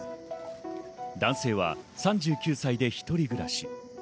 男性は３９歳で一人暮らし。